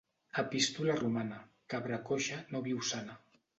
Epístola romana: cabra coixa no viu sana.